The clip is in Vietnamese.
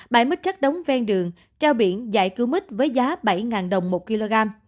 bãi mít chắc đóng ven đường trao biển giải cứu mít với giá bảy đồng một kg